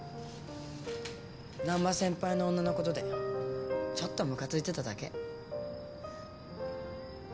難波先輩の女のことでちょっとムカついてただけ。